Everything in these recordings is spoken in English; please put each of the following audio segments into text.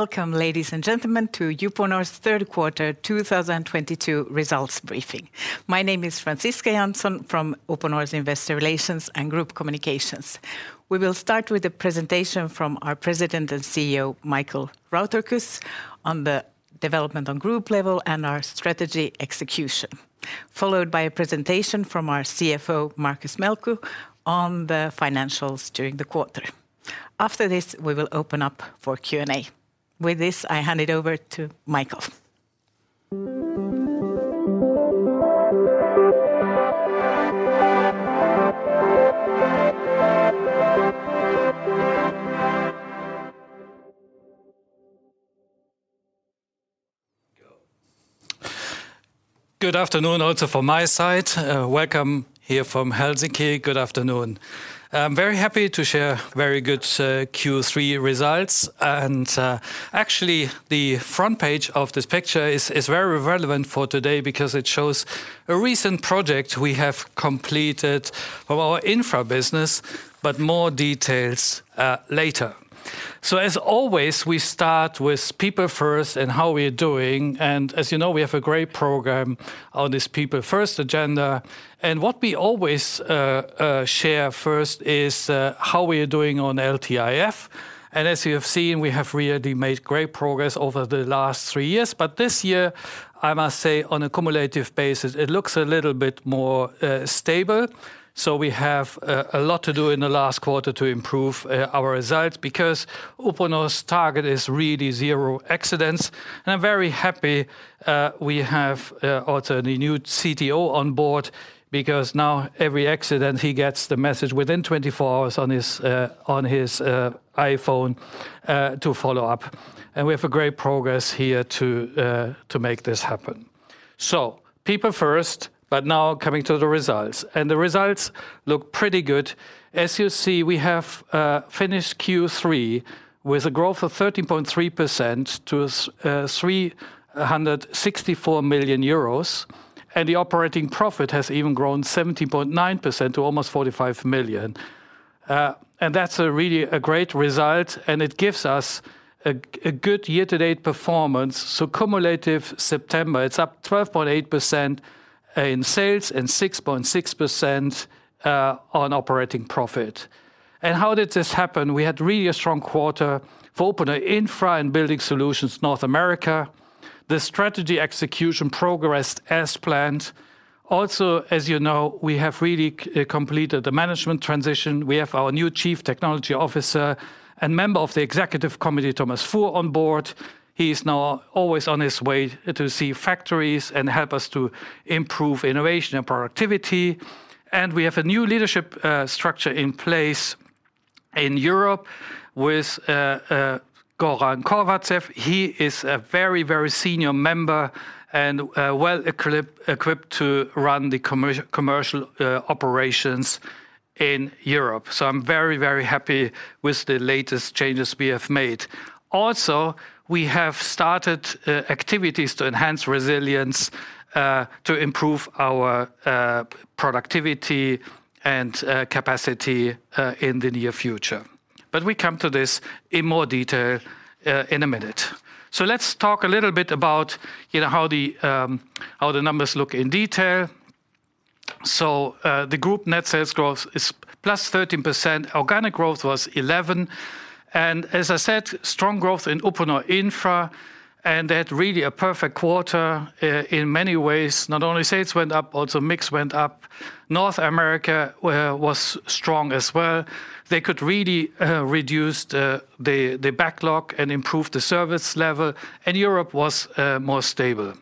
Welcome, ladies and gentlemen, to Uponor's third quarter 2022 results briefing. My name is Franciska Janzon from Uponor's Investor Relations and Group Communications. We will start with a presentation from our President and CEO, Michael Rauterkus, on the development on group level and our strategy execution, followed by a presentation from our CFO, Markus Melkko, on the financials during the quarter. After this, we will open up for Q&A. With this, I hand it over to Michael. Good afternoon also from my side. Welcome here from Helsinki. Good afternoon. I'm very happy to share very good Q3 results. Actually, the front page of this picture is very relevant for today because it shows a recent project we have completed of our Infra business, but more details later. As always, we start with people first and how we're doing, and as you know, we have a great program on this People First agenda. What we always share first is how we are doing on LTIF. As you have seen, we have really made great progress over the last three years. This year, I must say on a cumulative basis, it looks a little bit more stable. We have a lot to do in the last quarter to improve our results because Uponor's target is really zero accidents. I'm very happy we have also the new CTO on board because now every accident, he gets the message within 24-hours on his iPhone to follow up. We have a great progress here to make this happen. People first, but now coming to the results, and the results look pretty good. As you see, we have finished Q3 with a growth of 13.3% to 364 million euros, and the operating profit has even grown 17.9% to almost 45 million. That's really a great result, and it gives us a good year-to-date performance. Cumulative September, it's up 12.8% in sales and 6.6% on operating profit. How did this happen? We had really a strong quarter for Uponor Infra and Building Solutions - North America. The strategy execution progressed as planned. Also, as you know, we have really completed the management transition. We have our new Chief Technology Officer and member of the Executive Committee, Thomas Fuhr, on board. He is now always on his way to see factories and help us to improve innovation and productivity. We have a new leadership structure in place in Europe with Goran Kovacev. He is a very, very senior member and well equipped to run the commercial operations in Europe. I'm very, very happy with the latest changes we have made. Also, we have started activities to enhance resilience to improve our productivity and capacity in the near future. We come to this in more detail in a minute. Let's talk a little bit about, you know, how the numbers look in detail. The group net sales growth is +13%. Organic growth was 11%, and as I said, strong growth in Uponor Infra, and they had really a perfect quarter in many ways. Not only sales went up, also mix went up. North America was strong as well. They could really reduce the backlog and improve the service level, and Europe was more stable.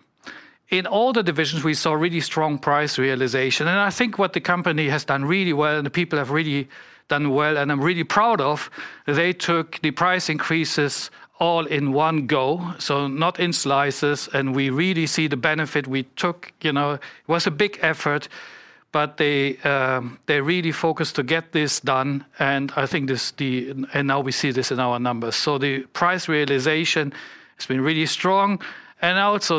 In all the divisions, we saw really strong price realization, and I think what the company has done really well and the people have really done well and I'm really proud of, they took the price increases all in one go, so not in slices, and we really see the benefit we took. You know, it was a big effort, but they really focused to get this done, and I think and now we see this in our numbers. The price realization has been really strong.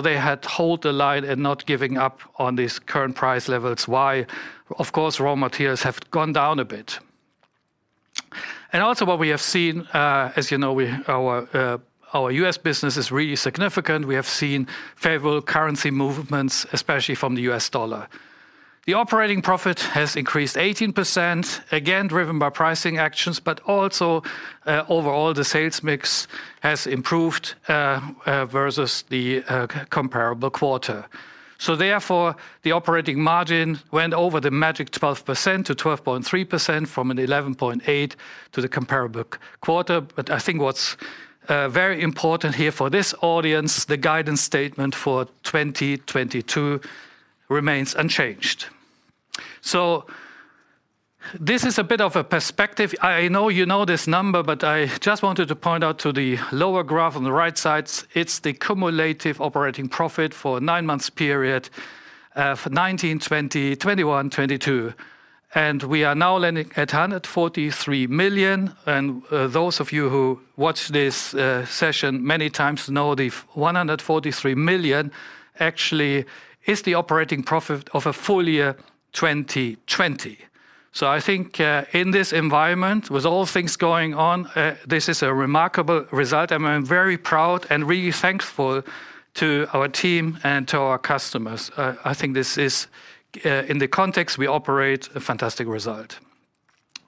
They have held the line and not giving up on these current price levels while, of course, raw materials have gone down a bit. What we have seen, as you know, our U.S. business is really significant. We have seen favorable currency movements, especially from the U.S. dollar. The operating profit has increased 18%, again, driven by pricing actions, but also, overall the sales mix has improved, versus the comparable quarter. Therefore, the operating margin went over the magic 12%-12.3% from an 11.8% to the comparable quarter. I think what's very important here for this audience, the guidance statement for 2022 remains unchanged. This is a bit of a perspective. I know you know this number, but I just wanted to point out to the lower graph on the right side, it's the cumulative operating profit for nine months period, for 2019, 2020, 2021, 2022. We are now landing at 143 million. Those of you who watch this session many times know 143 million actually is the operating profit of a full year 2020. I think, in this environment, with all things going on, this is a remarkable result, and I'm very proud and really thankful to our team and to our customers. I think this is, in the context we operate, a fantastic result.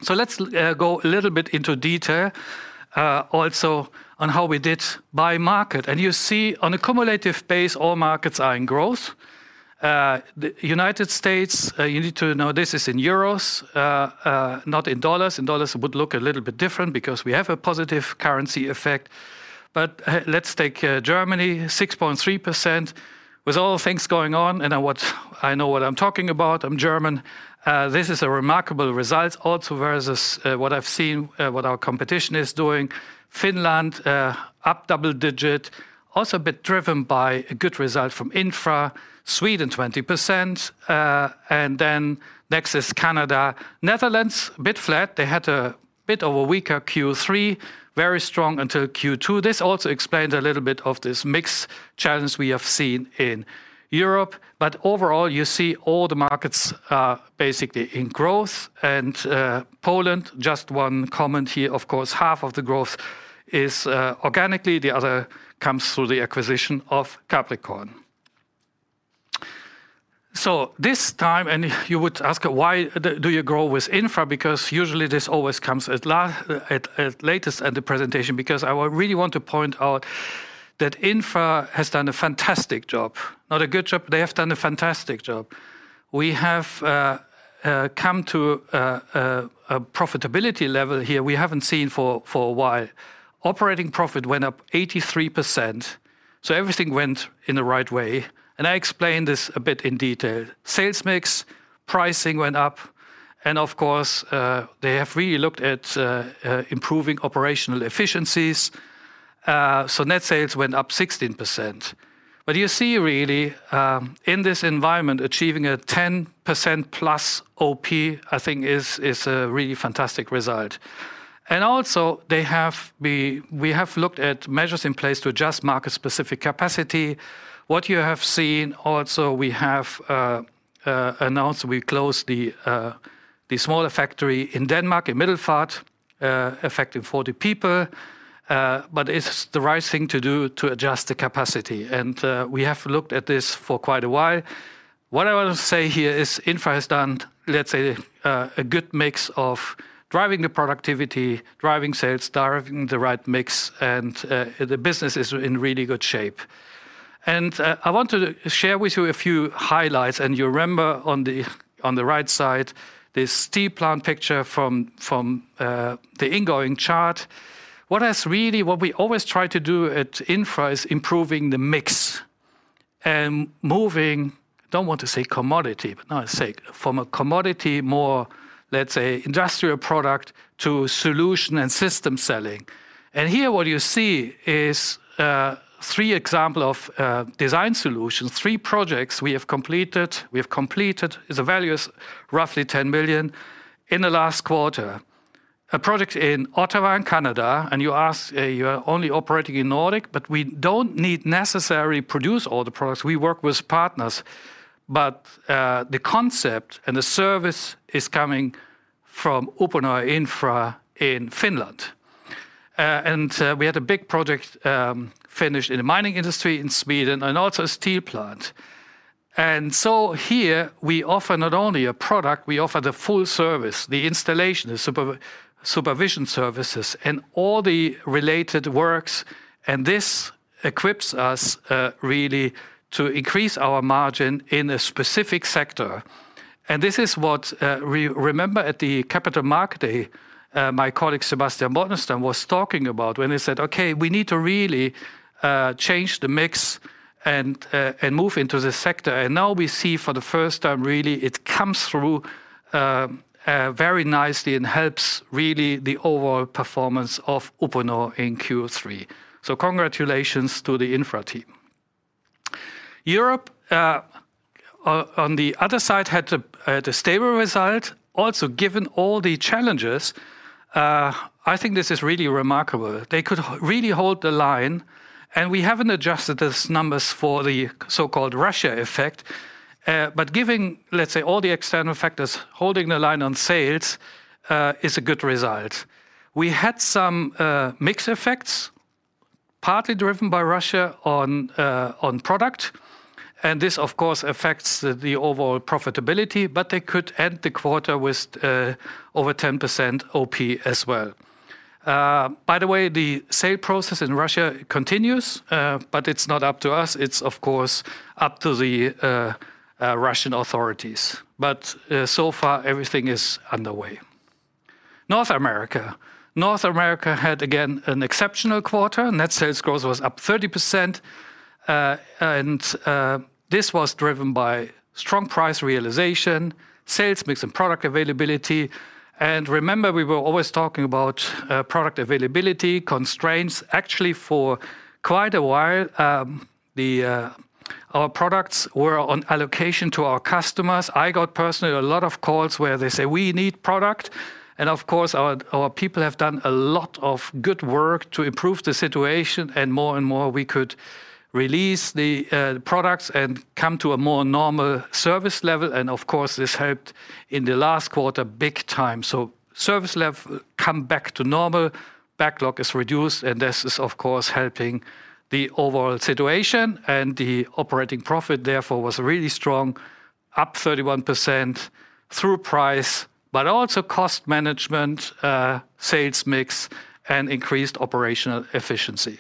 Let's go a little bit into detail, also on how we did by market. You see on a cumulative base, all markets are in growth. The United States, you need to know this is in euros, not in dollars. In dollars it would look a little bit different because we have a positive currency effect. Let's take Germany, 6.3%. With all things going on, I know what I'm talking about, I'm German, this is a remarkable result also versus what I've seen, what our competition is doing. Finland up double-digit, also a bit driven by a good result from Infra. Sweden, 20%. Next is Canada. Netherlands, a bit flat. They had a bit of a weaker Q3, very strong until Q2. This also explains a little bit of this mixed challenge we have seen in Europe. Overall, you see all the markets are basically in growth. Poland, just one comment here, of course, half of the growth is organically, the other comes through the acquisition of Capricorn. This time, and if you would ask why do you grow with Infra? Because usually this always comes at latest at the presentation, because I really want to point out that Infra has done a fantastic job. Not a good job, they have done a fantastic job. We have come to a profitability level here we haven't seen for a while. Operating profit went up 83%, so everything went in the right way. I explained this a bit in detail. Sales mix, pricing went up, and of course, they have really looked at improving operational efficiencies. Net sales went up 16%. You see really, in this environment, achieving a 10%+ OP, I think is a really fantastic result. We have looked at measures in place to adjust market-specific capacity. What you have seen also, we have announced we closed the smaller factory in Denmark, in Middelfart, affecting 40 people. It's the right thing to do to adjust the capacity. We have looked at this for quite a while. What I want to say here is Infra has done, let's say, a good mix of driving the productivity, driving sales, driving the right mix, and the business is in really good shape. I want to share with you a few highlights, and you remember on the right side, this steel plant picture from the opening chart. What we always try to do at Infra is improving the mix and moving, don't want to say commodity, but now I say it, from a commodity more, let's say industrial product to solution and system selling. Here what you see is, three examples of, design solutions, three projects we have completed. We have completed, the value is roughly 10 million, in the last quarter. A project in Ottawa in Canada, and you ask, you are only operating in Nordic, but we don't need necessarily produce all the products. We work with partners. The concept and the service is coming from Uponor Infra in Finland. We had a big project finished in the mining industry in Sweden and also a steel plant. Here we offer not only a product, we offer the full service, the installation, the super-supervision services, and all the related works, and this equips us really to increase our margin in a specific sector. This is what remember at the Capital Markets Day my colleague Sebastian Bondestam was talking about when he said, "Okay, we need to really change the mix and move into this sector." Now we see for the first time really it comes through very nicely and helps really the overall performance of Uponor in Q3. Congratulations to the Infra team. Europe on the other side had a stable result. Also, given all the challenges, I think this is really remarkable. They could really hold the line, and we haven't adjusted these numbers for the so-called Russia effect. Giving, let's say, all the external factors, holding the line on sales is a good result. We had some mixed effects, partly driven by Russia on product, and this of course affects the overall profitability, but they could end the quarter with over 10% OP as well. By the way, the sale process in Russia continues, but it's not up to us. It's of course up to the Russian authorities. So far everything is underway. North America. North America had again an exceptional quarter. Net sales growth was up 30%. This was driven by strong price realization, sales mix, and product availability. Remember, we were always talking about product availability constraints. Actually for quite a while, our products were on allocation to our customers. I got personally a lot of calls where they say, "We need product." Of course, our people have done a lot of good work to improve the situation, and more and more we could release the products and come to a more normal service level. Of course, this helped in the last quarter big time. Service level come back to normal, backlog is reduced, and this is, of course, helping the overall situation. The operating profit therefore was really strong, up 31% through price, but also cost management, sales mix and increased operational efficiency.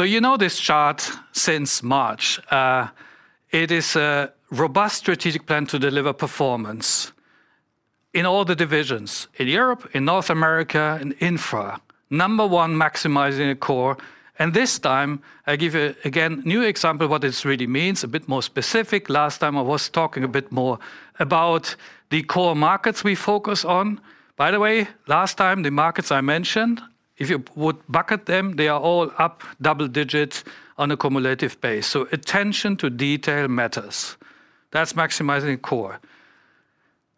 You know this chart since March. It is a robust strategic plan to deliver performance in all the divisions, in Europe, in North America, in Infra. Number one, maximizing the core. This time, I give, again, a new example what this really means, a bit more specific. Last time I was talking a bit more about the core markets we focus on. By the way, last time, the markets I mentioned, if you would bucket them, they are all up double digits on a cumulative basis. Attention to detail matters. That's maximizing core.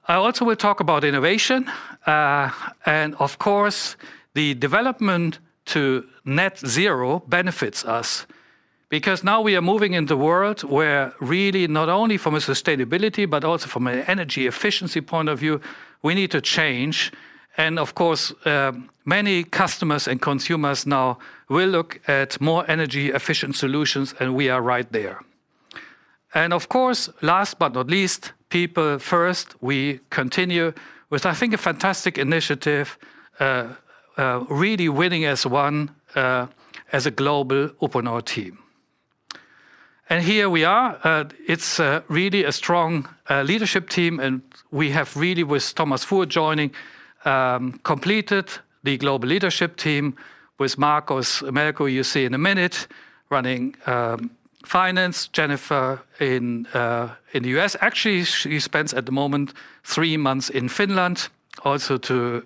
I also will talk about innovation. Of course, the development to net zero benefits us because now we are moving in the world where really not only from a sustainability, but also from an energy efficiency point of view, we need to change. Of course, many customers and consumers now will look at more energy-efficient solutions, and we are right there. Of course, last but not least, people first. We continue with, I think, a fantastic initiative, really winning as one, as a global Uponor team. Here we are. It's really a strong leadership team, and we have really, with Thomas Fuhr joining, completed the global leadership team with Markus Melkko, you see in a minute, running finance. Jennifer in the U.S. Actually, she spends at the moment three months in Finland also to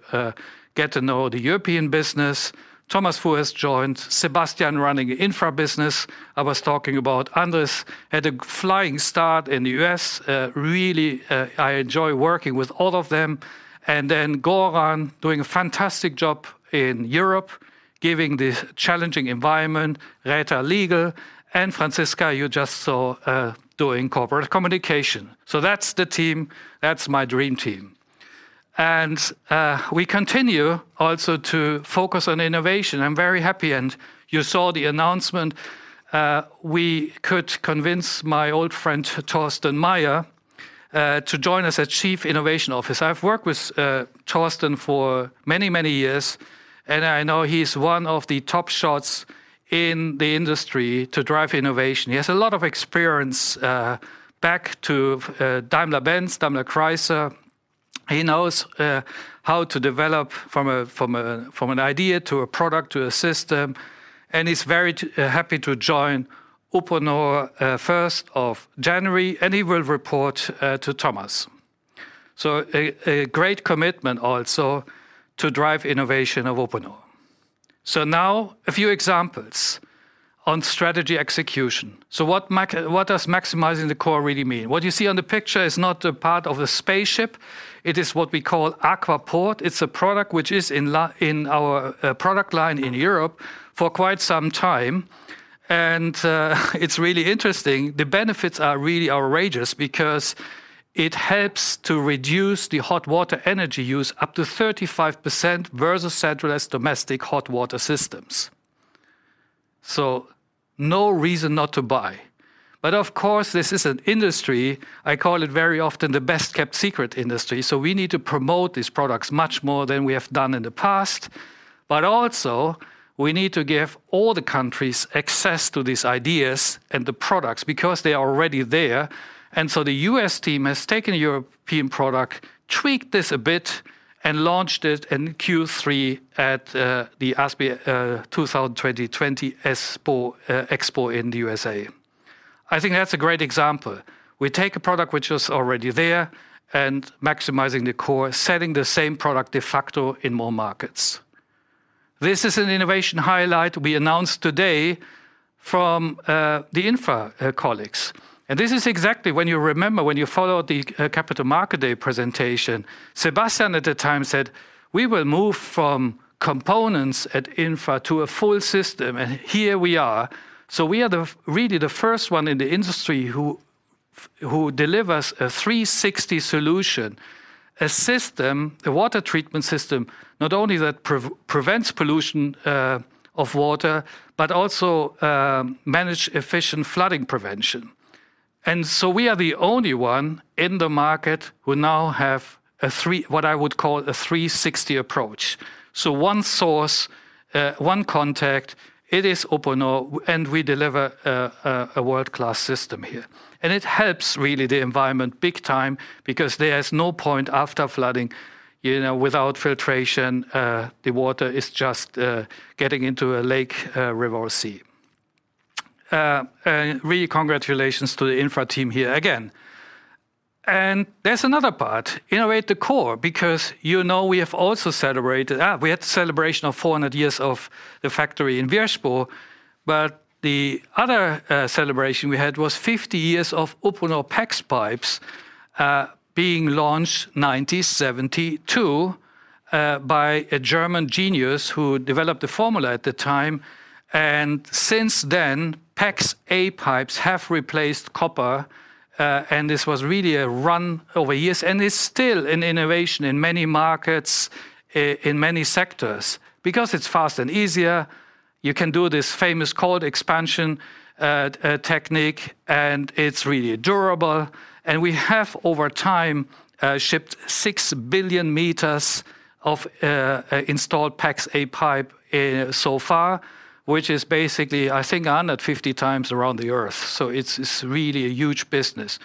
get to know the European business. Thomas Fuhr has joined. Sebastian running Infra business. I was talking about Andres had a flying start in the U.S. Really, I enjoy working with all of them. Then Goran doing a fantastic job in Europe, given the challenging environment. Reetta legal and Franciska you just saw, doing corporate communication. That's the team. That's my dream team. We continue also to focus on innovation. I'm very happy, and you saw the announcement, we could convince my old friend Torsten Meier to join us as Chief Innovation Officer. I've worked with Torsten for many years, and I know he's one of the top shots in the industry to drive innovation. He has a lot of experience back to Daimler-Benz, DaimlerChrysler. He knows how to develop from an idea to a product to a system, and he's very happy to join Uponor first of January, and he will report to Thomas. A great commitment also to drive innovation of Uponor. Now a few examples on strategy execution. What does maximizing the core really mean? What you see on the picture is not a part of a spaceship. It is what we call AquaPort. It's a product which is in our product line in Europe for quite some time. It's really interesting. The benefits are really outrageous because it helps to reduce the hot water energy use up to 35% versus centralized domestic hot water systems. No reason not to buy. Of course, this is an industry, I call it very often the best-kept secret industry, so we need to promote these products much more than we have done in the past. Also we need to give all the countries access to these ideas and the products because they are already there. The U.S. team has taken a European product, tweaked this a bit, and launched it in Q3 at the ASPE 2020 Expo in the U.S.A. I think that's a great example. We take a product which is already there and maximizing the core, selling the same product de facto in more markets. This is an innovation highlight we announced today from the Infra colleagues. This is exactly when you remember, when you followed the Capital Markets Day presentation, Sebastian at the time said, "We will move from components at Infra to a full system," and here we are. We are really the first one in the industry who delivers a 360 solution. A system, a water treatment system, not only that prevents pollution of water, but also manage efficient flooding prevention. We are the only one in the market who now have what I would call a 360 approach. One source, one contact, it is Uponor, and we deliver a world-class system here. It helps really the environment big time because there's no point after flooding, you know, without filtration, the water is just getting into a lake, a river, or sea. Really congratulations to the Infra team here again. There's another part, innovate the core, because you know we have also celebrated, we had the celebration of 400 years of the factory in Virsbo, but the other celebration we had was 50 years of Uponor PEX pipes being launched 1972 by a German genius who developed the formula at the time. Since then, PEX-a pipes have replaced copper, and this was really a run over years, and it's still an innovation in many markets in many sectors because it's fast and easier. You can do this famous cold expansion technique, and it's really durable. We have over time shipped 6 billion m of installed PEX-a pipe so far, which is basically, I think, 150 times around the Earth. It's really a huge business.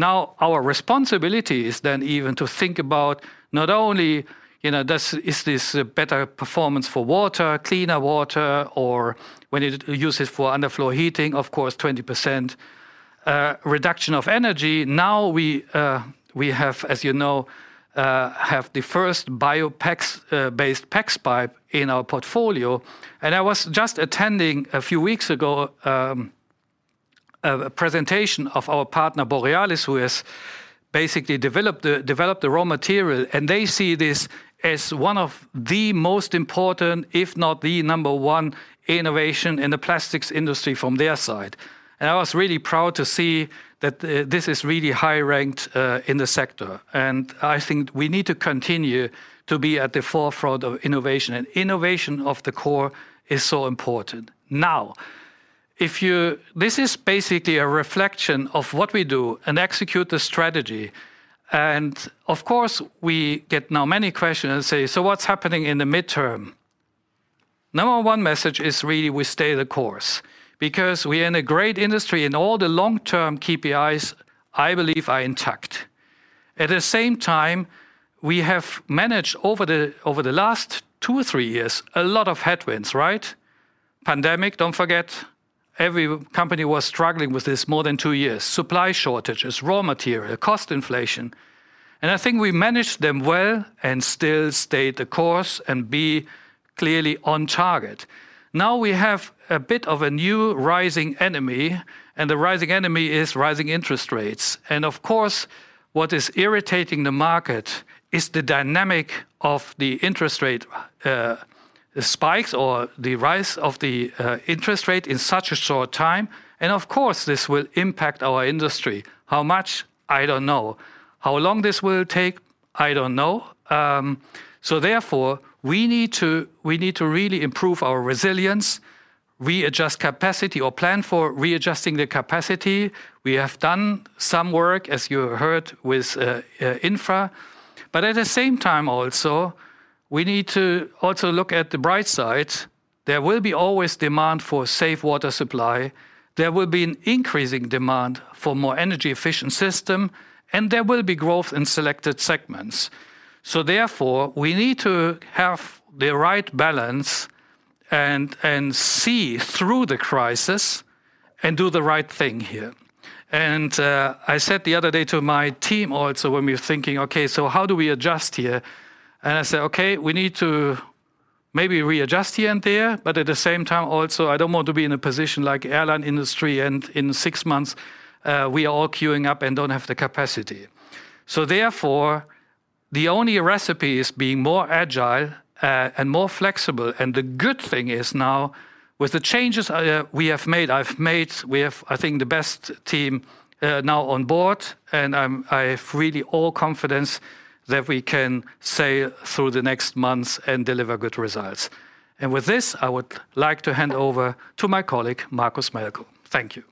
Our responsibility is then even to think about not only, you know, is this a better performance for water, cleaner water, or when you use it for underfloor heating, of course, 20% reduction of energy. We have, as you know, the first bio-based PEX pipe in our portfolio. I was just attending a few weeks ago a presentation of our partner Borealis, who has basically developed the raw material, and they see this as one of the most important, if not the number one innovation in the plastics industry from their side. I was really proud to see that this is really highly ranked in the sector. I think we need to continue to be at the forefront of innovation. Innovation of the core is so important. Now this is basically a reflection of what we do and execute the strategy. Of course, we get now many questions and say, "So what's happening in the mid-term?" Number one message is really we stay the course because we're in a great industry and all the long-term KPIs I believe are intact. At the same time, we have managed over the last two or three years a lot of headwinds, right? Pandemic, don't forget every company was struggling with this more than two years. Supply shortages, raw material, cost inflation. I think we managed them well and still stayed the course and be clearly on target. Now we have a bit of a new rising enemy, and the rising enemy is rising interest rates. Of course, what is irritating the market is the dynamic of the interest rate spikes or the rise of the interest rate in such a short time. Of course this will impact our industry. How much? I don't know. How long this will take? I don't know. Therefore we need to really improve our resilience, readjust capacity or plan for readjusting the capacity. We have done some work, as you heard with Infra, but at the same time also, we need to also look at the bright side. There will be always demand for safe water supply. There will be an increasing demand for more energy-efficient system, and there will be growth in selected segments. Therefore, we need to have the right balance and see through the crisis and do the right thing here. I said the other day to my team also when we were thinking, "Okay, so how do we adjust here?" I said, "Okay, we need to maybe readjust here and there, but at the same time also, I don't want to be in a position like airline industry and in six months, we are all queuing up and don't have the capacity." Therefore, the only recipe is being more agile and more flexible. The good thing is now with the changes we have made, I think, the best team now on board. I have really all confidence that we can sail through the next months and deliver good results. With this, I would like to hand over to my colleague, Markus Melkko. Thank you.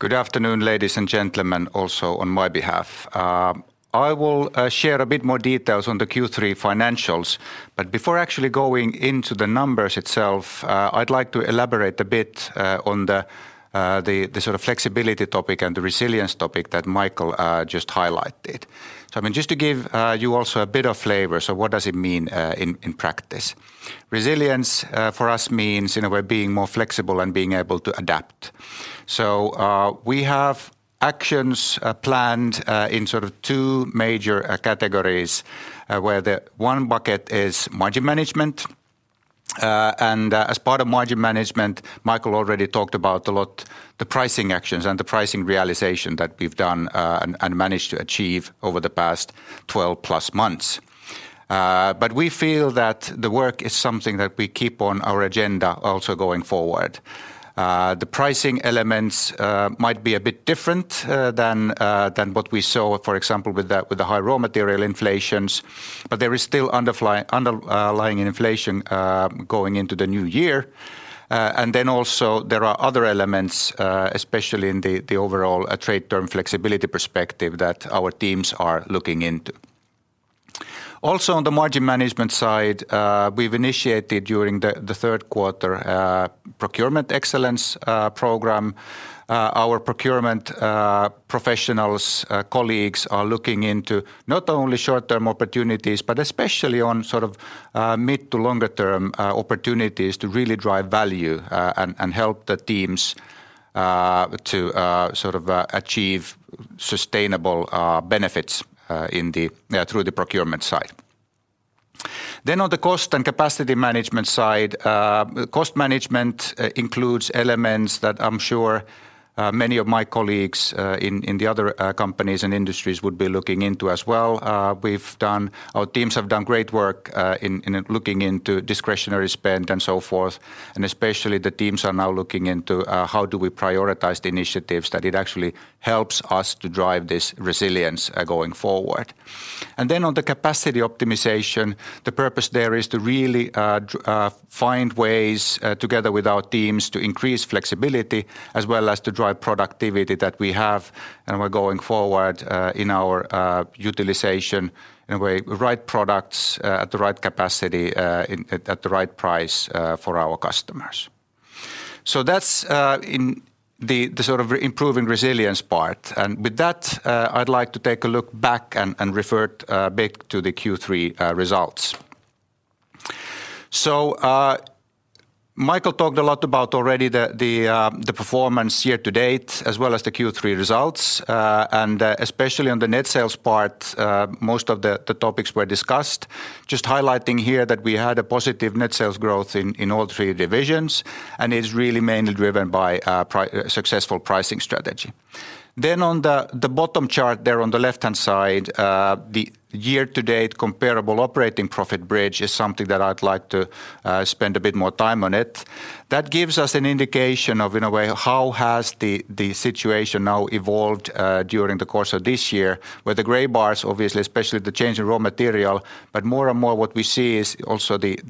Good afternoon, ladies and gentlemen, also on my behalf. I will share a bit more details on the Q3 financials, but before actually going into the numbers itself, I'd like to elaborate a bit on the sort of flexibility topic and the resilience topic that Michael just highlighted. I mean, just to give you also a bit of flavor, so what does it mean in practice? Resilience for us means in a way being more flexible and being able to adapt. We have actions planned in sort of two major categories where the one bucket is margin management. As part of margin management, Michael already talked about a lot the pricing actions and the pricing realization that we've done, and managed to achieve over the past 12+ months. We feel that the work is something that we keep on our agenda also going forward. The pricing elements might be a bit different than what we saw, for example, with the high raw material inflations. There is still underlying inflation going into the new year. And then also there are other elements, especially in the overall trade term flexibility perspective that our teams are looking into. Also on the margin management side, we've initiated during the third quarter procurement excellence program. Our procurement professionals colleagues are looking into not only short-term opportunities, but especially on sort of mid to longer term opportunities to really drive value and help the teams to sort of achieve sustainable benefits through the procurement side. On the cost and capacity management side, cost management includes elements that I'm sure many of my colleagues in the other companies and industries would be looking into as well. Our teams have done great work in looking into discretionary spend and so forth. Especially the teams are now looking into how do we prioritize the initiatives that it actually helps us to drive this resilience going forward. On the capacity optimization, the purpose there is to really find ways together with our teams to increase flexibility as well as to drive productivity that we have and we're going forward in our utilization in a way, right products at the right capacity at the right price for our customers. That's in the sort of improving resilience part. With that, I'd like to take a look back and refer back to the Q3 results. Michael talked a lot about already the performance year-to-date as well as the Q3 results, and especially on the net sales part, most of the topics were discussed. Just highlighting here that we had a positive net sales growth in all three divisions, and it's really mainly driven by successful pricing strategy. On the bottom chart there on the left-hand side, the year-to-date comparable operating profit bridge is something that I'd like to spend a bit more time on it. That gives us an indication of, in a way, how the situation now evolved during the course of this year, where the gray bars, obviously, especially the change in raw material, but more and more what we see is also the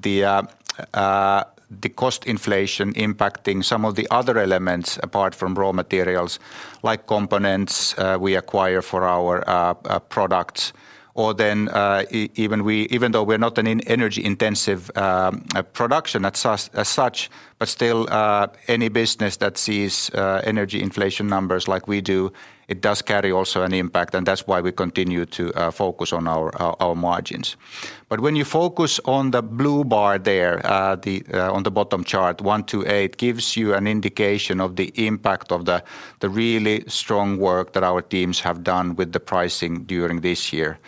cost inflation impacting some of the other elements apart from raw materials like components we acquire for our products or then even though we're not an energy-intensive production as such, but still any business that sees energy inflation numbers like we do, it does carry also an impact, and that's why we continue to focus on our margins. When you focus on the blue bar there, on the bottom chart, one to eight gives you an indication of the impact of the really strong work that our teams have done with the pricing during this year.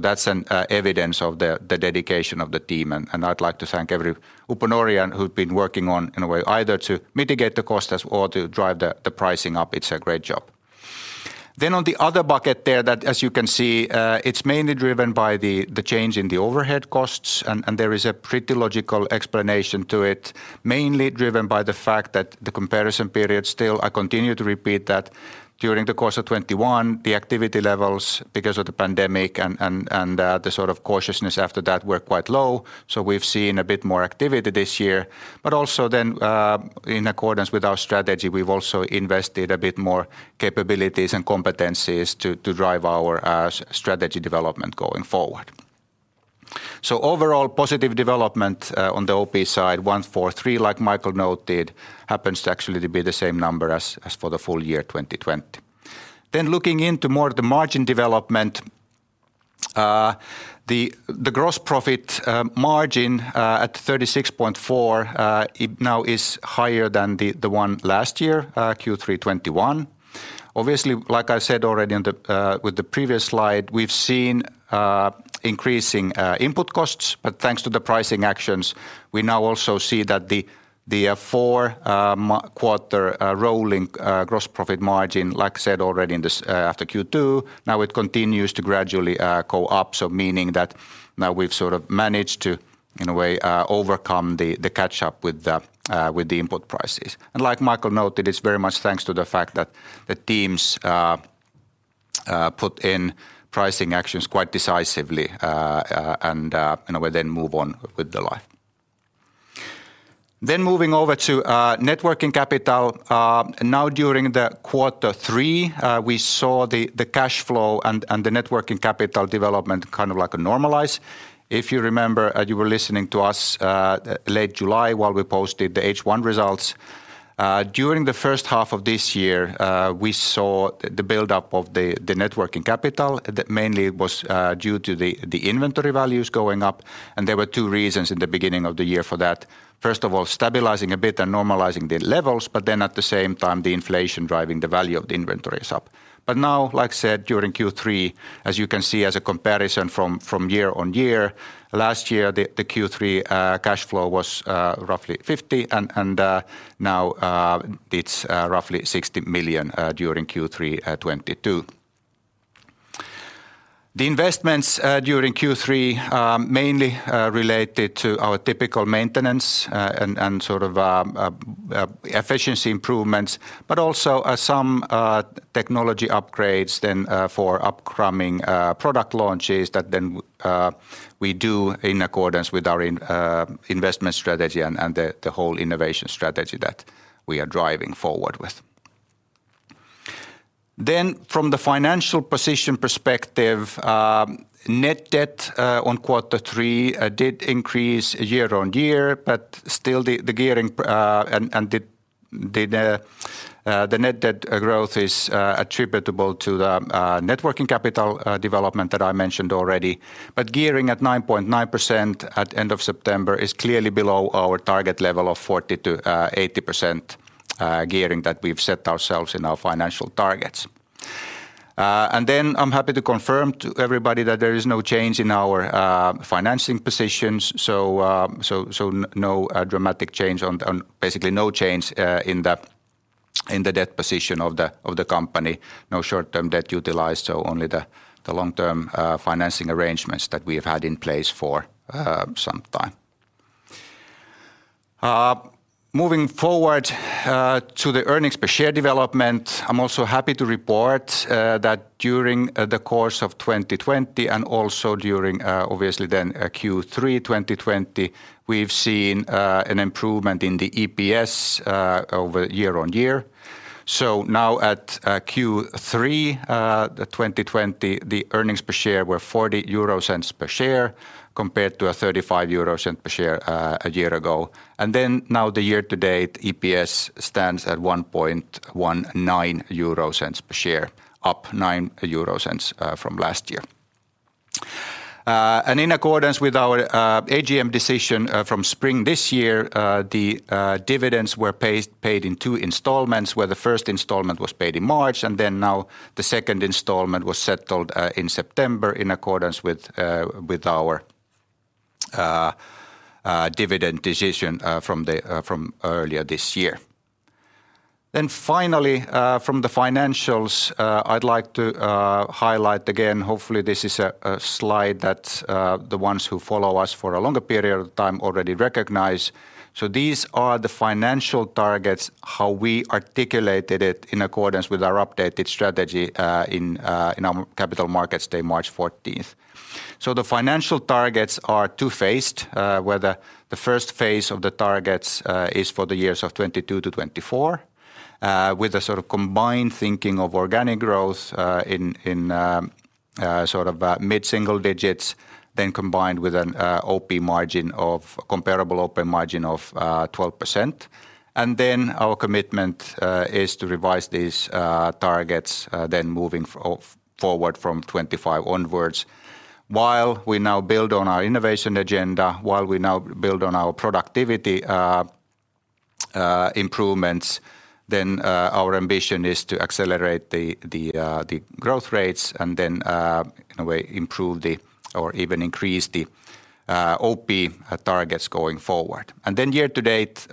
That's an evidence of the dedication of the team. I'd like to thank every Uponorian who've been working on, in a way, either to mitigate the costs or to drive the pricing up. It's a great job. On the other bucket there that as you can see, it's mainly driven by the change in the overhead costs and there is a pretty logical explanation to it, mainly driven by the fact that the comparison period still, I continue to repeat that during the course of 2021, the activity levels because of the pandemic and the sort of cautiousness after that were quite low. We've seen a bit more activity this year. Also, in accordance with our strategy, we've also invested a bit more capabilities and competencies to drive our strategy development going forward. Overall positive development on the OP side, 143 million, like Michael noted, happens to actually be the same number as for the full year 2020. Looking into more of the margin development, the gross profit margin at 36.4% it now is higher than the one last year, Q3 2021. Obviously, like I said already with the previous slide, we've seen increasing input costs. Thanks to the pricing actions, we now also see that the four-quarter rolling gross profit margin, like I said already after Q2, now it continues to gradually go up. Meaning that now we've sort of managed to, in a way, overcome the catch up with the input prices. Like Michael noted, it's very much thanks to the fact that the teams put in pricing actions quite decisively and in a way then move on with the life. Moving over to net working capital. Now during quarter three, we saw the cash flow and the net working capital development kind of like normalize. If you remember, you were listening to us late July while we posted the H1 results. During the first half of this year, we saw the buildup of the net working capital that mainly was due to the inventory values going up. There were two reasons in the beginning of the year for that. First of all, stabilizing a bit and normalizing the levels, but then at the same time, the inflation driving the value of the inventories up. Now, like I said, during Q3, as you can see as a comparison from year-on-year, last year, the Q3 cash flow was roughly 50 million and now it's roughly 60 million during Q3 2022. The investments during Q3 are mainly related to our typical maintenance and sort of efficiency improvements, but also some technology upgrades then for upcoming product launches that we do in accordance with our investment strategy and the whole innovation strategy that we are driving forward with. From the financial position perspective, net debt on quarter three did increase year-on-year. Still the gearing and the net debt growth is attributable to the working capital development that I mentioned already. Gearing at 9.9% at end of September is clearly below our target level of 40%-80% gearing that we've set ourselves in our financial targets. I'm happy to confirm to everybody that there is no change in our financing positions, so no dramatic change, basically no change in the debt position of the company. No short-term debt utilized, so only the long-term financing arrangements that we have had in place for some time. Moving forward to the earnings per share development, I'm also happy to report that during the course of 2020 and also during obviously then Q3 2020, we've seen an improvement in the EPS over year-on-year. Now at Q3 2020, the earnings per share were 0.40 per share compared to 0.35 per share a year ago. Now the year-to-date EPS stands at 0.0119 per share, up 0.09 from last year. In accordance with our AGM decision from spring this year, dividends were paid in two installments, where the first installment was paid in March, and now the second installment was settled in September in accordance with our dividend decision from earlier this year. Finally, from the financials, I'd like to highlight again, hopefully this is a slide that the ones who follow us for a longer period of time already recognize. These are the financial targets, how we articulated it in accordance with our updated strategy in our Capital Markets Day, March 14th. The financial targets are two-phased, where the first face of the targets is for the years of 2022 to 2024, with a sort of combined thinking of organic growth in sort of mid-single digits, then combined with an OP margin of comparable OP margin of 12%. Our commitment is to revise these targets then moving forward from 2025 onwards. While we now build on our innovation agenda, while we now build on our productivity improvements, our ambition is to accelerate the growth rates and then in a way improve or even increase the OP targets going forward. Year-to-date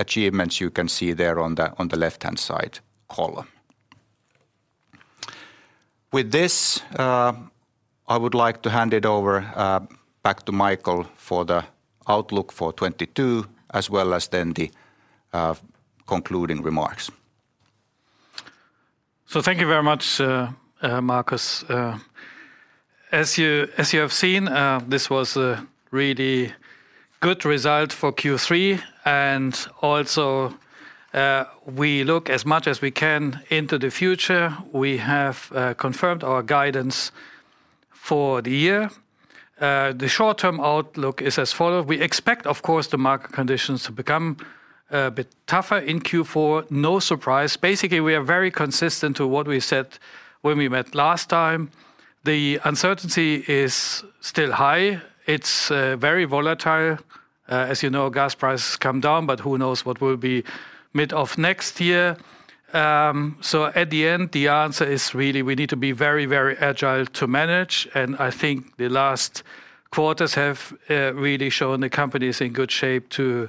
achievements you can see there on the left-hand side column. With this, I would like to hand it over back to Michael for the outlook for 2022 as well as then the concluding remarks. Thank you very much, Markus. As you have seen, this was a really good result for Q3. Also, we look as much as we can into the future. We have confirmed our guidance for the year. The short-term outlook is as follows. We expect, of course, the market conditions to become a bit tougher in Q4. No surprise. Basically, we are very consistent with what we said when we met last time. The uncertainty is still high. It's very volatile. As you know, gas prices come down, but who knows what will be mid of next year. At the end, the answer is really we need to be very, very agile to manage. I think the last quarters have really shown the company is in good shape to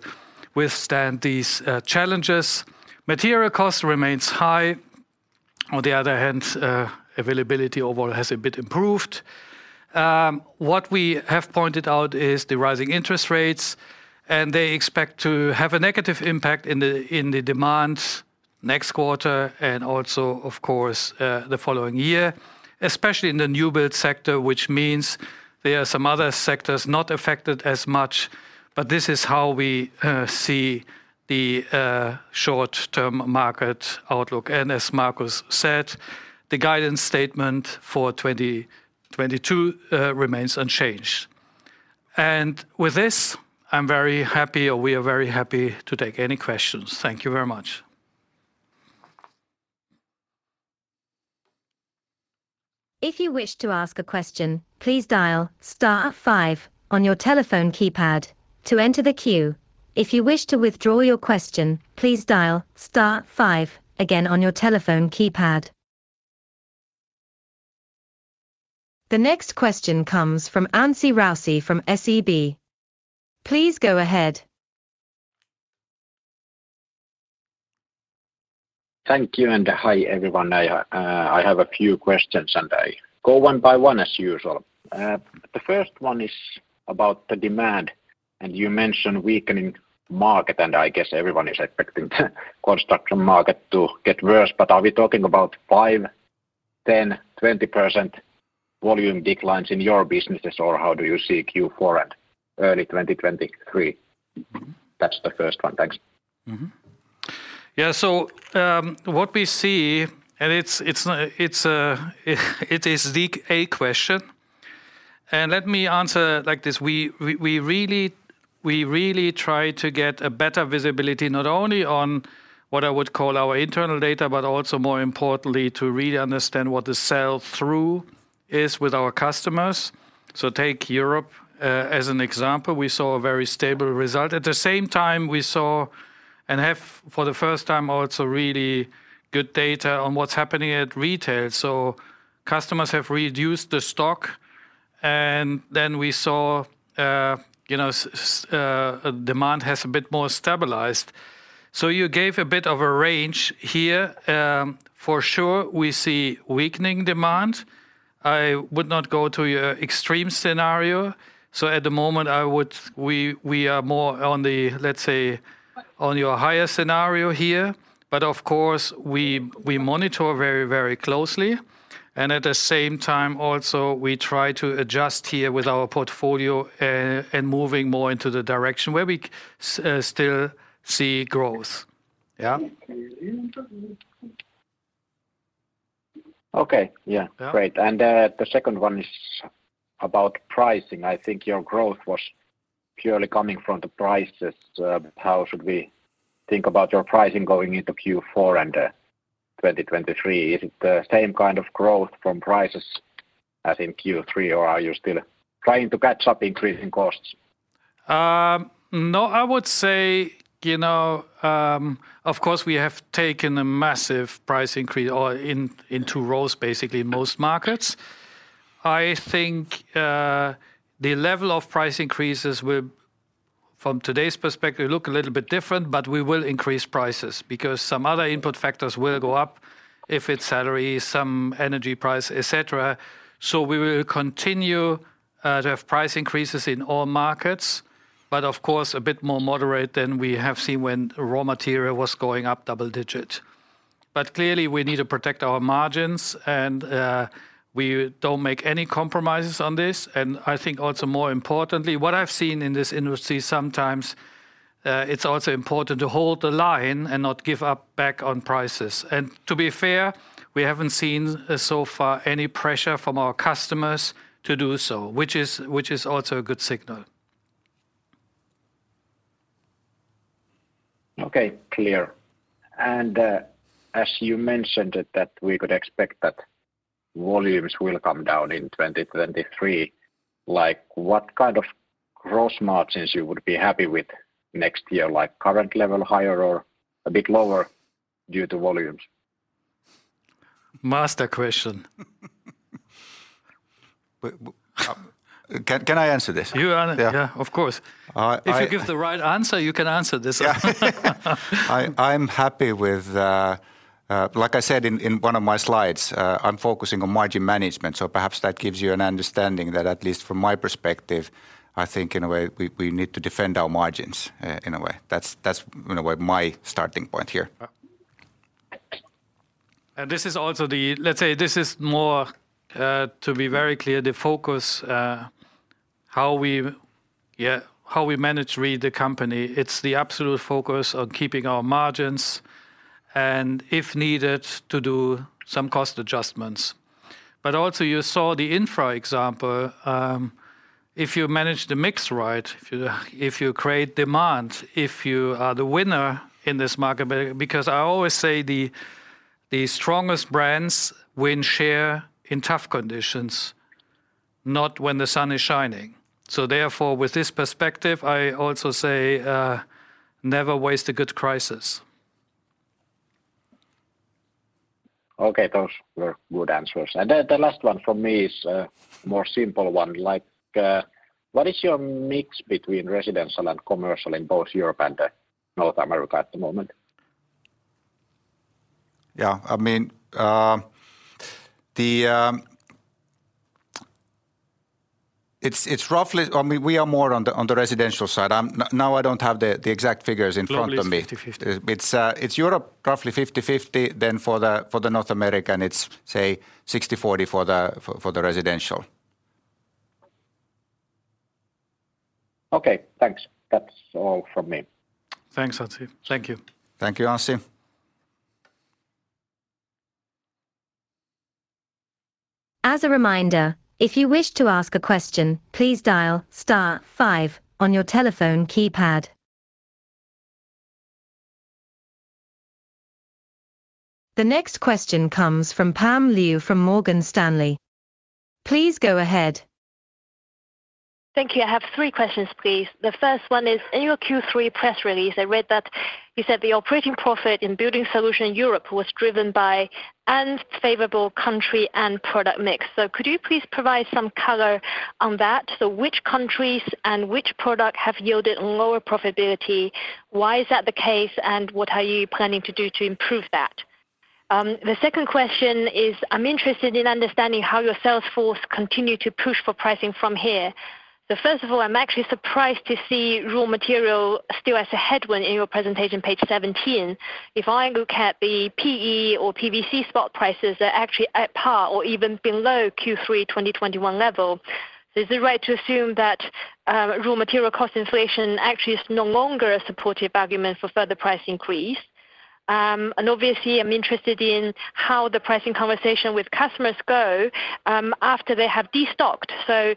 withstand these challenges. Material cost remains high. On the other hand, availability overall has a bit improved. What we have pointed out is the rising interest rates, and they expect to have a negative impact in the demands next quarter and also, of course, the following year, especially in the new build sector, which means there are some other sectors not affected as much. This is how we see the short-term market outlook. As Markus said, the guidance statement for 2022 remains unchanged. With this, I'm very happy, or we are very happy to take any questions. Thank you very much. If you wish to ask a question, please dial star five on your telephone keypad to enter the queue. If you wish to withdraw your question, please dial star five again on your telephone keypad. The next question comes from Anssi Raussi from SEB. Please go ahead. Thank you, and, hi, everyone. I have a few questions, and I go one by one as usual. The first one is about the demand, and you mentioned weakening market, and I guess everyone is expecting the construction market to get worse. Are we talking about 5%-10%, 20% volume declines in your businesses or how do you see Q4 and early 2023? That's the first one. Thanks. Mm-hmm. Yeah. It is the A question, and let me answer like this. We really try to get a better visibility not only on what I would call our internal data, but also more importantly, to really understand what the sell through is with our customers. Take Europe as an example. We saw a very stable result. At the same time we saw and have for the first time also really good data on what's happening at retail. Customers have reduced the stock. Then we saw, you know, demand has a bit more stabilized. You gave a bit of a range here. For sure we see weakening demand. I would not go to your extreme scenario. At the moment I would—we are more on the, let's say, on your higher scenario here. Of course we monitor very closely and at the same time also we try to adjust here with our portfolio and moving more into the direction where we still see growth. Yeah. Okay. Yeah. Yeah. Great. The second one is about pricing. I think your growth was purely coming from the prices. How should we think about your pricing going into Q4 and 2023? Is it the same kind of growth from prices as in Q3, or are you still trying to catch up increasing costs? No, I would say, you know, of course we have taken a massive price increase in two years, basically most markets. I think the level of price increases will, from today's perspective, look a little bit different, but we will increase prices because some other input factors will go up if it's salary, some energy price, et cetera. We will continue to have price increases in all markets, but of course a bit more moderate than we have seen when raw material was going up double-digit. Clearly we need to protect our margins and we don't make any compromises on this. I think also more importantly, what I've seen in this industry sometimes, it's also important to hold the line and not give back on prices. To be fair, we haven't seen so far any pressure from our customers to do so, which is also a good signal. Okay. Clear. As you mentioned that we could expect that volumes will come down in 2023. Like, what kind of gross margins you would be happy with next year? Like current level higher or a bit lower due to volumes? Master question. Can I answer this? Yeah, of course. I— If you give the right answer, you can answer this one. I'm happy with, like I said in one of my slides, I'm focusing on margin management, so perhaps that gives you an understanding that at least from my perspective, I think in a way we need to defend our margins in a way. That's in a way my starting point here. This is also the, let's say, this is more to be very clear, the focus, how we manage really the company. It's the absolute focus on keeping our margins and if needed to do some cost adjustments. Also you saw the Infra example. If you manage the mix right, if you create demand, if you are the winner in this market, because I always say the strongest brands win share in tough conditions, not when the sun is shining. Therefore, with this perspective, I also say, never waste a good crisis. Okay. Those were good answers. The last one from me is a more simple one. Like, what is your mix between residential and commercial in both Europe and North America at the moment? Yeah, I mean, it's roughly. I mean, we are more on the residential side. Now I don't have the exact figures in front of me. Globally it's 50/50. It's Europe roughly 50/50. For the North America it's say 60/40 for the residential. Okay, thanks. That's all from me. Thanks, Anssi. Thank you. Thank you, Anssi. As a reminder, if you wish to ask a question, please dial star five on your telephone keypad. The next question comes from Pam Liu from Morgan Stanley. Please go ahead. Thank you. I have three questions please. The first one is, in your Q3 press release, I read that you said the operating profit in Building Solutions - Europe was driven by unfavorable country and product mix. Could you please provide some color on that? Which countries and which product have yielded lower profitability? Why is that the case, and what are you planning to do to improve that? The second question is, I'm interested in understanding how your sales force continue to push for pricing from here. First of all, I'm actually surprised to see raw material still as a headwind in your presentation page 17. If I look at the PE or PVC spot prices, they're actually at par or even below Q3 2021 level. Is it right to assume that, raw material cost inflation actually is no longer a supportive argument for further price increase? Obviously I'm interested in how the pricing conversation with customers go, after they have destocked. Does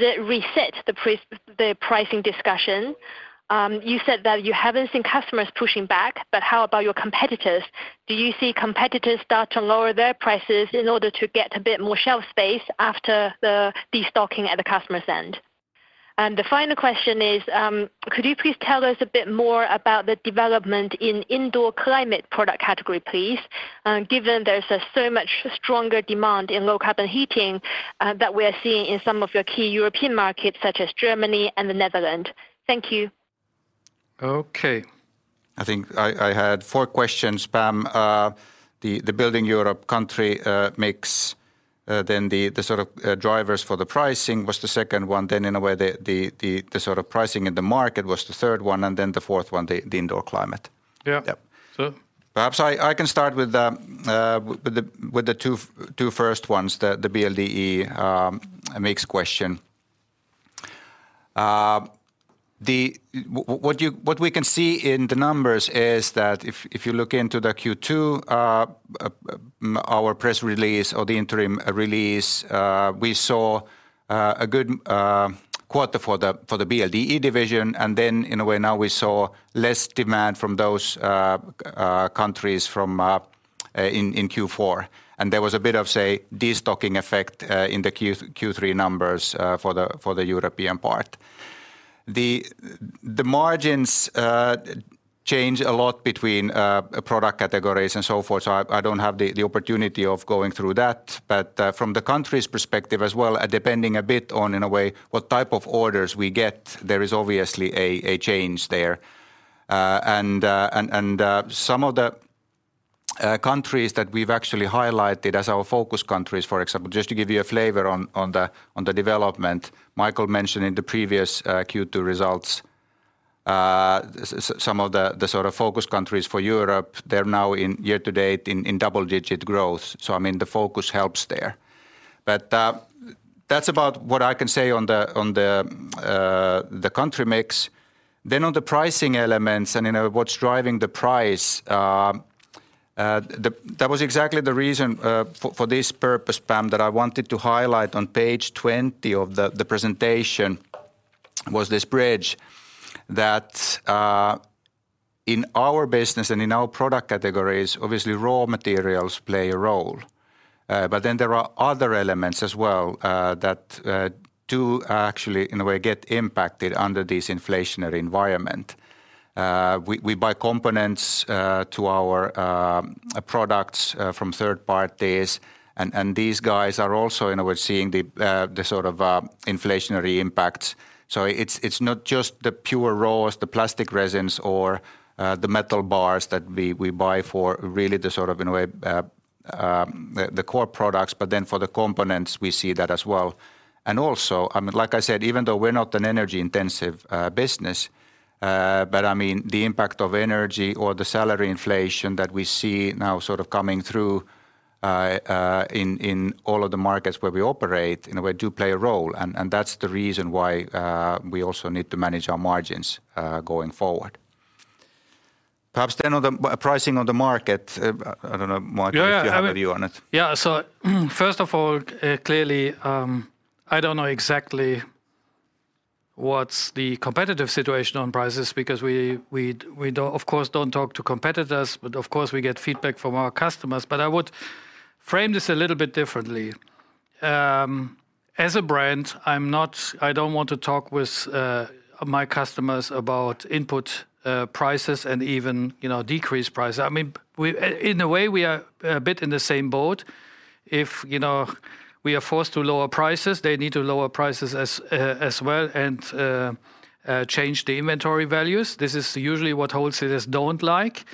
it reset the pricing discussion? You said that you haven't seen customers pushing back, but how about your competitors? Do you see competitors start to lower their prices in order to get a bit more shelf space after the destocking at the customer's end? The final question is, could you please tell us a bit more about the development in indoor climate product category, please, given there's so much stronger demand in low-carbon heating that we are seeing in some of your key European markets such as Germany and the Netherlands? Thank you. Okay. I think I had four questions, Pam. The Building Europe country mix, then the sort of drivers for the pricing was the second one. In a way the sort of pricing in the market was the third one, and then the fourth one, the indoor climate. Yeah. Yep. So— Perhaps I can start with the two first ones, the BLD-E mix question. What we can see in the numbers is that if you look into the Q2, our press release or the interim release, we saw a good quarter for the BLD-E division and then in a way now we saw less demand from those countries in Q4. There was a bit of, say, destocking effect in the Q3 numbers for the European part. The margins change a lot between product categories and so forth, so I don't have the opportunity of going through that. From the country's perspective as well, depending a bit on, in a way, what type of orders we get, there is obviously a change there. Some of the countries that we've actually highlighted as our focus countries, for example, just to give you a flavor on the development, Michael mentioned in the previous Q2 results, some of the sort of focus countries for Europe, they're now in year-to-date in double-digit growth. I mean, the focus helps there. That's about what I can say on the country mix. On the pricing elements and, you know, what's driving the price, that was exactly the reason for this purpose, Pam, that I wanted to highlight on page 20 of the presentation was this bridge that in our business and in our product categories, obviously raw materials play a role. There are other elements as well that do actually in a way get impacted under this inflationary environment. We buy components to our products from third-parties and these guys are also, in a way, seeing the sort of inflationary impact. It's not just the pure raws, the plastic resins or the metal bars that we buy for really the sort of in a way the core products, but then for the components we see that as well. Also, I mean, like I said, even though we're not an energy-intensive business, but I mean, the impact of energy or the salary inflation that we see now sort of coming through in all of the markets where we operate, in a way, do play a role, and that's the reason why we also need to manage our margins going forward. Perhaps on the pricing on the market, I don't know, Michael, if you have a view on it. Yeah, first of all, clearly, I don't know exactly what's the competitive situation on prices because we don't talk to competitors, but of course we get feedback from our customers. I would frame this a little bit differently. As a brand, I don't want to talk with my customers about input prices and even, you know, decrease price. I mean, in a way we are a bit in the same boat. If, you know, we are forced to lower prices, they need to lower prices as well and change the inventory values. This is usually what wholesalers don't like.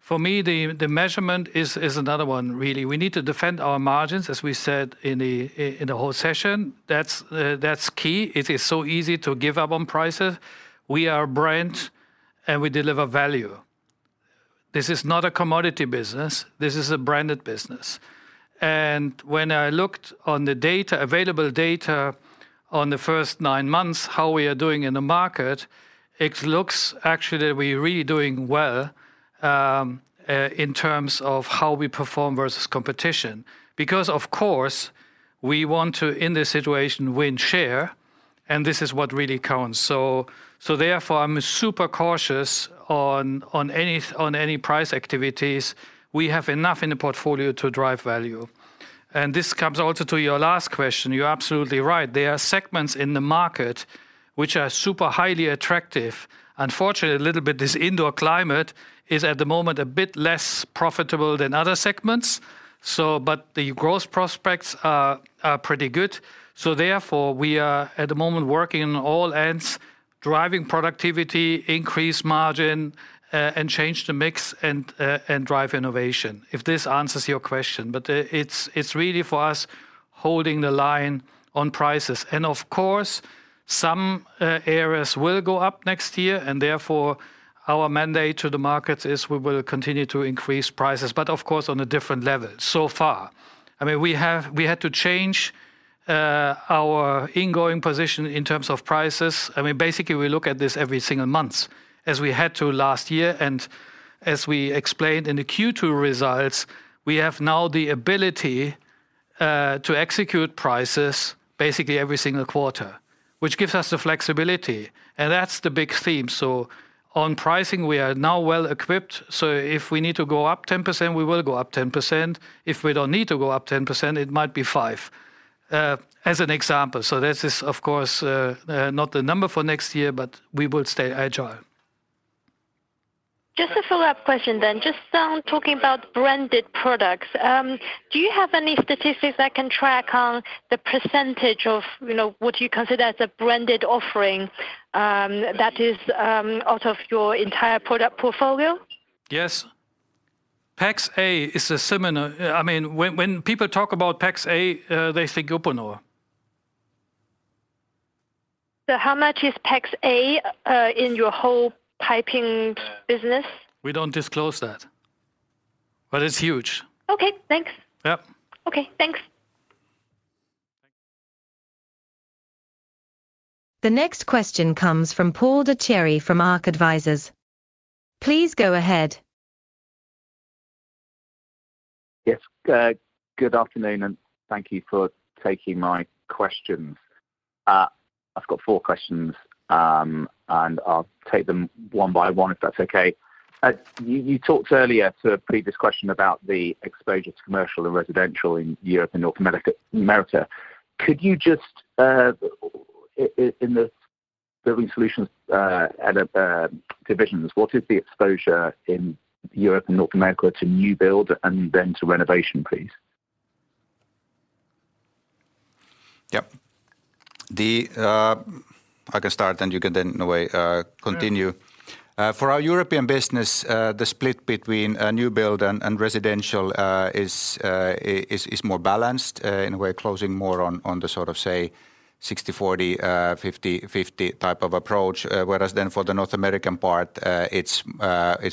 For me, the measurement is another one really. We need to defend our margins, as we said in the whole session. That's key. It is so easy to give up on prices. We are a brand, and we deliver value. This is not a commodity business. This is a branded business. When I looked on the data, available data on the first nine months, how we are doing in the market, it looks actually we're really doing well in terms of how we perform versus competition. Because of course we want to, in this situation, win share, and this is what really counts. Therefore, I'm super cautious on any price activities. We have enough in the portfolio to drive value. This comes also to your last question. You're absolutely right. There are segments in the market which are super highly attractive. Unfortunately, a little bit, this indoor climate is at the moment a bit less profitable than other segments, but the growth prospects are pretty good. Therefore, we are at the moment working on all ends, driving productivity, increase margin, and change the mix and drive innovation, if this answers your question. It's really for us holding the line on prices. Of course, some areas will go up next year, and therefore our mandate to the markets is we will continue to increase prices, but of course, on a different level so far. I mean, we had to change our ingoing position in terms of prices. I mean, basically we look at this every single month as we had to last year. As we explained in the Q2 results, we have now the ability to execute prices basically every single quarter, which gives us the flexibility, and that's the big theme. On pricing, we are now well equipped. If we need to go up 10%, we will go up 10%. If we don't need to go up 10%, it might be 5%, as an example. This is of course not the number for next year, but we will stay agile. Just a follow-up question. Just on talking about branded products, do you have any statistics that can track on the percentage of, you know, what you consider as a branded offering, that is, out of your entire product portfolio? Yes. I mean, when people talk about PEX-a, they think Uponor. How much is PEX-a in your whole piping business? We don't disclose that, but it's huge. Okay, thanks. Yep. Okay, thanks. The next question comes from Paul de Thierry from Arke Advisers. Please go ahead. Yes. Good afternoon, and thank you for taking my questions. I've got four questions, and I'll take them one by one if that's okay. You talked earlier to a previous question about the exposure to commercial and residential in Europe and North America. Could you just in the Building Solutions and divisions, what is the exposure in Europe and North America to new build and then to renovation, please? Yep. I can start, then you can, then in a way continue. For our European business, the split between new build and residential is more balanced, and we're closing more on the sort of, say, 60/40, 50/50 type of approach. Whereas for the North American part, it's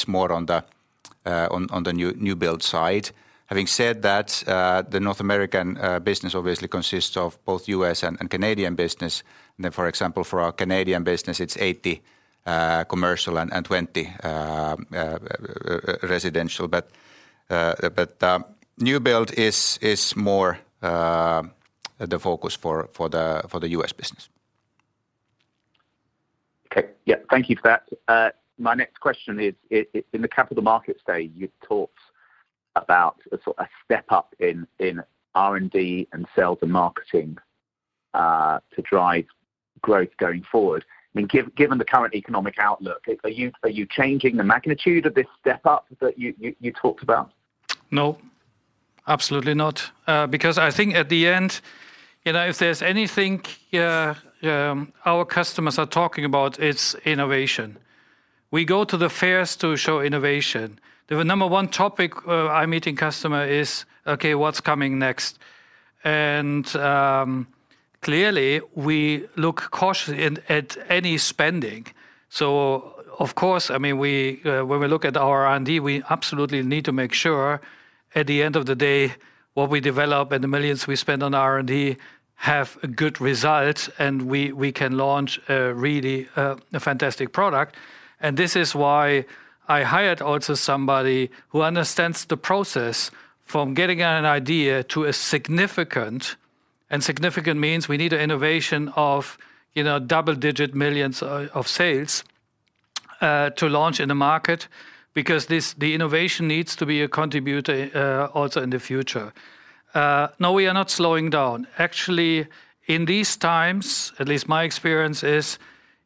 more on the new build side. Having said that, the North American business obviously consists of both U.S. and Canadian business. For example, for our Canadian business, it's 80 commercial and 20 residential. New build is more the focus for the U.S. business. Okay. Yeah. Thank you for that. My next question is in the Capital Markets Day, you talked about a sort of step up in R&D and sales and marketing to drive growth going forward. I mean, given the current economic outlook, are you changing the magnitude of this step up that you talked about? No, absolutely not. Because I think at the end, you know, if there's anything, our customers are talking about, it's innovation. We go to the fairs to show innovation. The number one topic when I'm meeting customer is, "Okay, what's coming next?" Clearly, we look cautiously at any spending. Of course, I mean, we, when we look at our R&D, we absolutely need to make sure at the end of the day, what we develop and the millions we spend on R&D have good results and we can launch a really a fantastic product. This is why I hired also somebody who understands the process from getting an idea to a significant, and significant means we need an innovation of, you know, double-digit millions of sales, to launch in the market because this, the innovation needs to be a contributor, also in the future. No, we are not slowing down. Actually, in these times, at least my experience is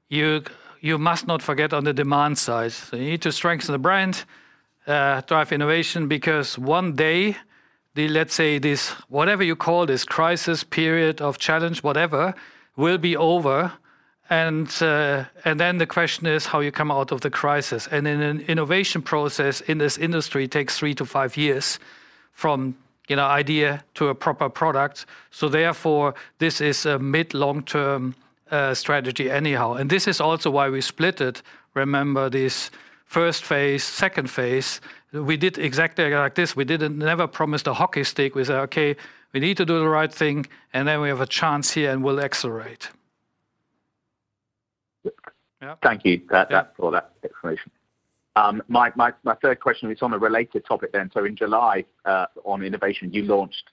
you must not forget on the demand side. You need to strengthen the brand, drive innovation because one day, the, let's say this, whatever you call this crisis period of challenge, whatever, will be over and then the question is how you come out of the crisis. In an innovation process in this industry takes three to five years from, you know, idea to a proper product. Therefore, this is a mid- to long-term strategy anyhow. This is also why we split it. Remember this first phase, second phase. We did exactly like this. We never promised a hockey stick. We said, "Okay, we need to do the right thing, and then we have a chance here and we'll accelerate. Thank you for that, for that explanation. My third question is on a related topic then. In July, on innovation, you launched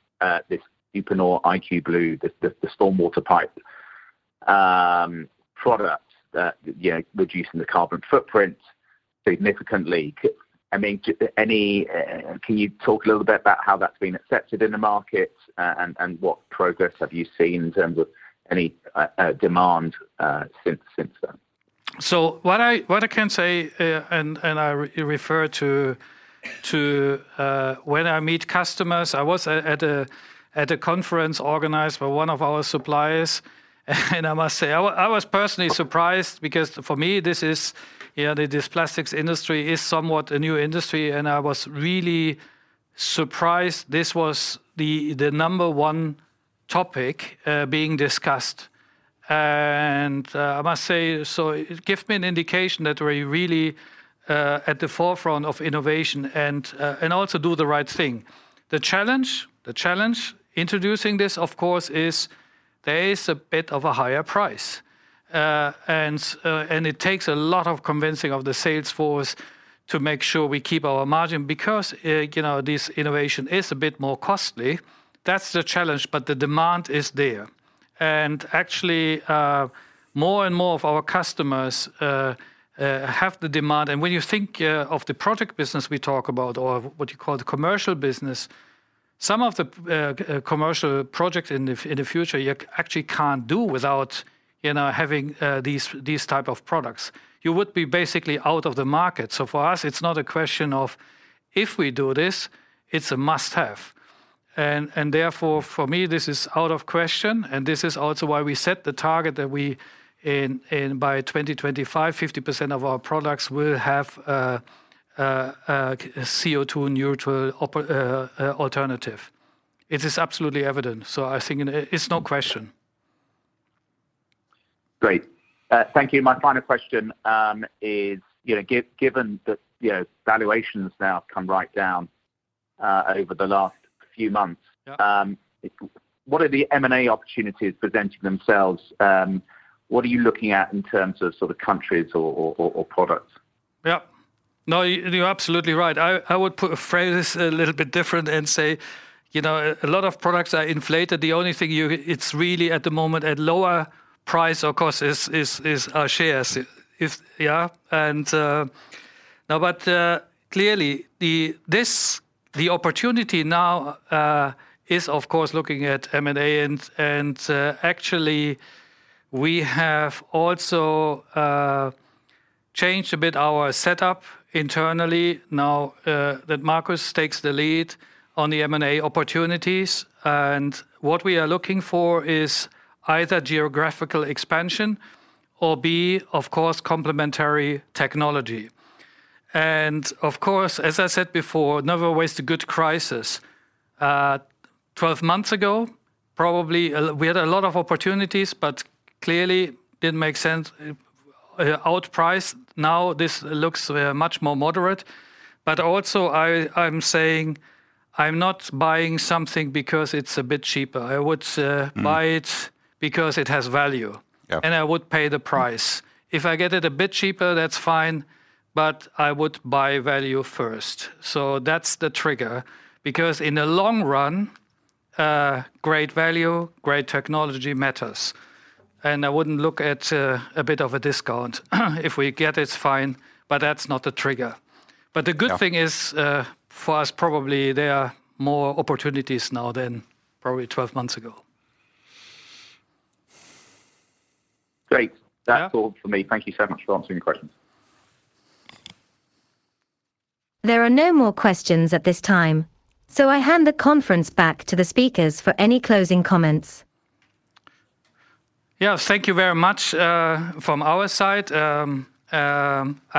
this Uponor IQ Blue, the stormwater pipe product that, you know, reducing the carbon footprint significantly. I mean, can you talk a little bit about how that's been accepted in the market and what progress have you seen in terms of any demand since then? What I can say, and I refer to, when I meet customers, I was at a conference organized by one of our suppliers, and I must say I was personally surprised because for me, this is, you know, this plastics industry is somewhat a new industry, and I was really surprised this was the number one topic being discussed. I must say, it give me an indication that we're really at the forefront of innovation and also do the right thing. The challenge introducing this, of course, is there is a bit of a higher price. It takes a lot of convincing of the sales force to make sure we keep our margin because, you know, this innovation is a bit more costly. That's the challenge, but the demand is there. Actually, more and more of our customers have the demand. When you think of the project business we talk about or what you call the commercial business, some of the commercial projects in the future you actually can't do without, you know, having these type of products. You would be basically out of the market. For us it's not a question of if we do this, it's a must-have. Therefore, for me, this is out of question, and this is also why we set the target that in by 2025, 50% of our products will have a CO2 neutral alternative. It is absolutely evident, so I think it's no question. Great. Thank you. My final question is, you know, given that, you know, valuations now have come right down over the last few months. Yeah. What are the M&A opportunities presenting themselves? What are you looking at in terms of sort of countries or products? Yeah. No, you're absolutely right. I would phrase it a little bit different and say, you know, a lot of products are inflated. The only thing it's really at the moment at lower price, of course, is our shares. Now, but clearly this opportunity now is of course looking at M&A and actually we have also changed a bit our setup internally now that Markus takes the lead on the M&A opportunities. What we are looking for is either geographical expansion or, of course, complementary technology. Of course, as I said before, never waste a good crisis. 12 months ago, probably we had a lot of opportunities, but clearly didn't make sense. Outpriced. Now this looks much more moderate. Also, I'm saying I'm not buying something because it's a bit cheaper. I would buy it— Mm-hmm. —because it has value. Yeah. I would pay the price. If I get it a bit cheaper, that's fine, but I would buy value first. That's the trigger because in the long run, great value, great technology matters. I wouldn't look at a bit of a discount. If we get, it's fine, but that's not the trigger. The good thing— Yeah. —is, for us probably there are more opportunities now than probably 12 months ago. Great. Yeah. That's all for me. Thank you so much for answering the questions. There are no more questions at this time, so I hand the conference back to the speakers for any closing comments. Yes. Thank you very much, from our side.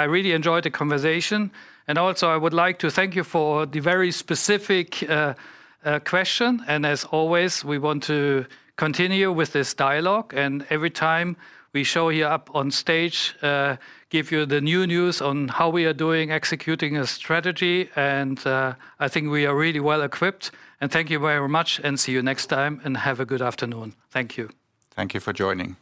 I really enjoyed the conversation and also I would like to thank you for the very specific question. As always, we want to continue with this dialogue, and every time we show you Uponor on stage, give you the new news on how we are doing executing a strategy and, I think we are really well equipped. Thank you very much and see you next time, and have a good afternoon. Thank you. Thank you for joining.